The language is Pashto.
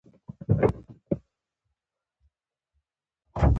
زه د کور کار کوم